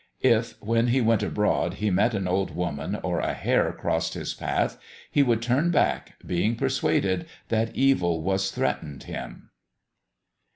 If, when he went abroad, he met an old woman, or a hare crossed his path, he would turn back, being persuaded that evil was threatened him.